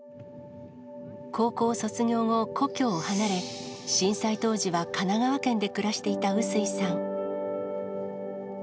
高校を卒業後、故郷を離れ、震災当時は神奈川県で暮らしていた臼井さん。